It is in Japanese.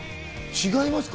違いますか？